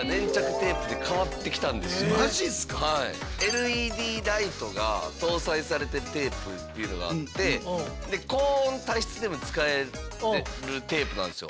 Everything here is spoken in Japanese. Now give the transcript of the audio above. ＬＥＤライトが搭載されたテープっていうのがあって高温多湿でも使えるテープなんですよ。